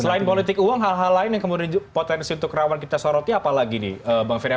selain politik uang hal hal lain yang kemudian potensi untuk kerawan kita sorotnya apalagi nih bang ferya